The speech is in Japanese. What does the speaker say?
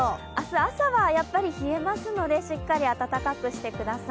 朝はやっぱり冷えますのでしっかり暖かくしてください。